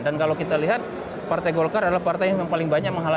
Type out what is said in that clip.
dan kalau kita lihat partai golkar adalah partai yang paling banyak